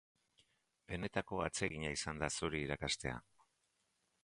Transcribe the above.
Benetako atsegina izan da zuri irakastea.